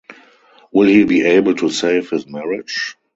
Will he be able to save his marriage?